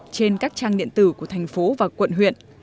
trên các trang điện tử của thành phố và quận huyện